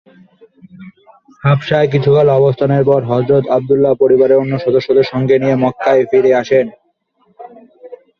হাবশায় কিছুকাল অবস্থানের পর হযরত আবদুল্লাহ পরিবারের অন্য সদস্যদের সঙ্গে নিয়ে মক্কায় ফিরে আসেন।